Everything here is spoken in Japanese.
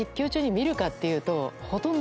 見るかっていうと。